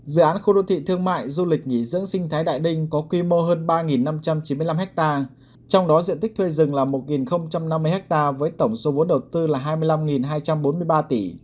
dự án khu đô thị thương mại du lịch nghỉ dưỡng sinh thái đại đinh có quy mô hơn ba năm trăm chín mươi năm ha trong đó diện tích thuê rừng là một năm mươi ha với tổng số vốn đầu tư là hai mươi năm hai trăm bốn mươi ba tỷ